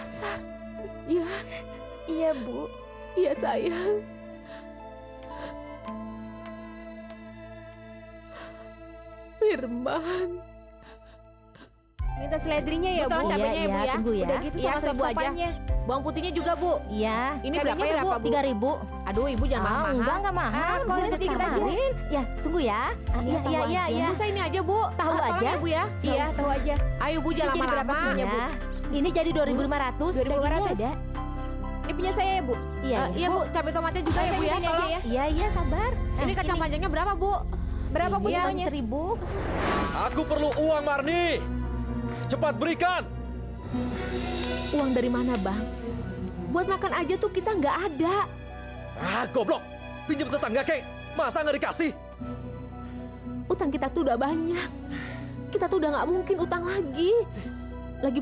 sampai jumpa di video selanjutnya